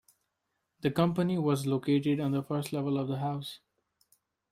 The company was located on the first level of the house.